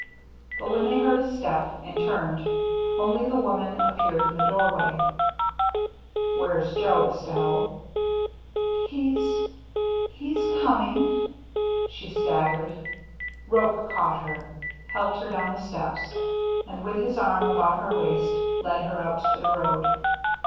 But when they heard a step and turned, only the woman appeared in the doorway. "Where's Joe, Estelle?" " He — he's coming." She staggered. Roche caught her, helped her down the steps, and with his arm about her waist led her out to the road.